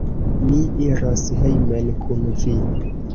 Mi iros hejmen kun vi.